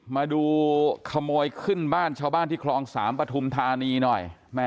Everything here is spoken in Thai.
มาดูขโมยขึ้นบ้านชาวบ้านที่คลอง๓ปฐุมธานีหน่อย